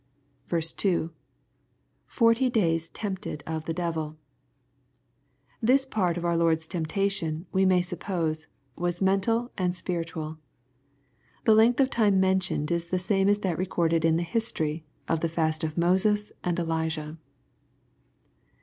2. — [forty days tempted of the devU,] This part of our Lord's temp tation, we may suppose, was mental and spiritual The length of time mentioned is the same as that recorded in the history of the fast of Moses and Elyah.